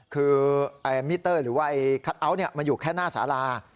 คือมิเตอร์หรือว่าคัทเอาท์มันอยู่แค่หน้าสารา